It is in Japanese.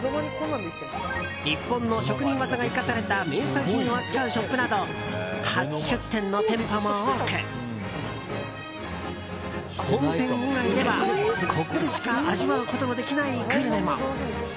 日本の職人技が生かされた名産品を扱うショップなど初出店の店舗も多く本店以外では、ここでしか味わうことのできないグルメも。